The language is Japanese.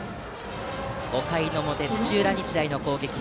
５回の表、土浦日大の攻撃。